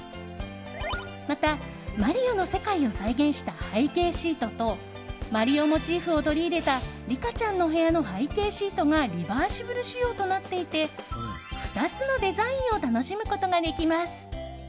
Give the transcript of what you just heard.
また「マリオ」の世界を再現した背景シートと「マリオ」モチーフを取り入れたリカちゃんの部屋の背景シートがリバーシブル仕様となっていて２つのデザインを楽しむことができます。